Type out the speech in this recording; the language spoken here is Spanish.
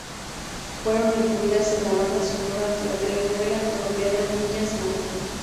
Fueron incluidas en la banda sonora de la telenovela colombiana Niñas mal.